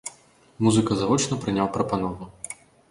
Музыка завочна прыняў прапанову.